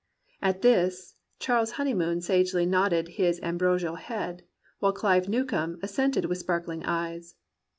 At this Charles Honeyman sagely nodded his ambrosial head, while Clive Newcome assented with sparkling eyes.